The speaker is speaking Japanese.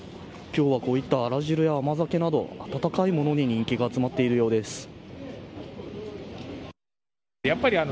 今日はこういったあら汁や甘酒など温かいものに人気が集まっているようです。